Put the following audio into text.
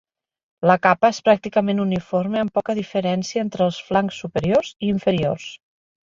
La capa és pràcticament uniforme amb poca diferència entre els flancs superiors i inferiors.